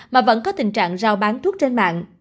mà vẫn có tình trạng giao bán thuốc trên mạng